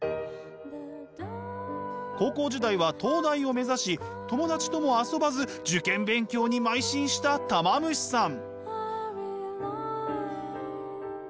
高校時代は東大を目指し友達とも遊ばず受験勉強に邁進したたま虫さん。